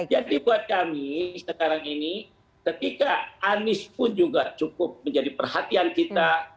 jadi buat kami sekarang ini ketika anies pun juga cukup menjadi perhatian kita